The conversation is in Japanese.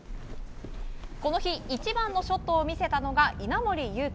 この日一番のショットを見せたのが稲森佑貴。